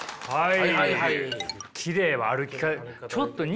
はい。